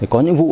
có những vụ